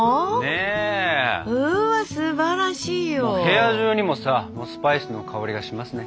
部屋じゅうにもさスパイスの香りがしますね。